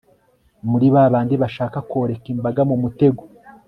muri babandi bashaka koreka imbaga mu mutego